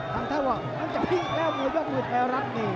คำถามว่ามันจะพลิกแล้วมันจะพลิกแล้วคือแทรกเนี่ย